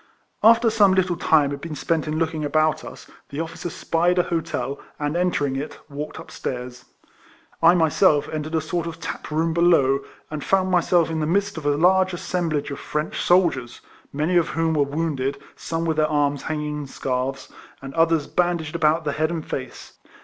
After some little time had been spent in looking about us, the officers spied an hotel, and entering it, walked up stairs. I myself entered a sort of taproom below, and found myself in the midst of a large assemblage of French soldiers, many of whom were wounded, some with their arms hanging in scarfs, and others bandaged about the head and face.